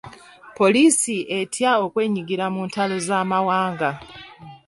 Poliisi etya okwenyigira mu ntalo z'amawanga.